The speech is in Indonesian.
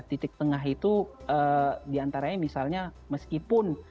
titik tengah itu diantaranya misalnya meskipun